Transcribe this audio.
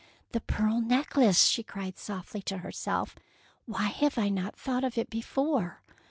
" The pearl necklace/' she cried softly to herself, " why have I not thought of it before?